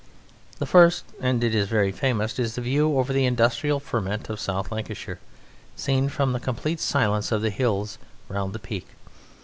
The first (and it is very famous) is the view over the industrial ferment of South Lancashire, seen from the complete silence of the hills round the Peak.